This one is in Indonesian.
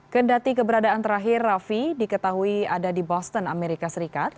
kendati keberadaan terakhir raffi diketahui ada di boston amerika serikat